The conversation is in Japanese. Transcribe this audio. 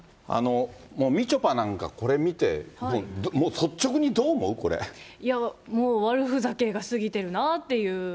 みちょぱなんかこれ見て、いやもう、悪ふざけが過ぎてるなっていう。